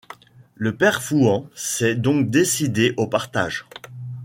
Le père Fouan s’est donc décidé au partage?